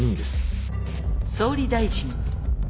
「総理大臣」。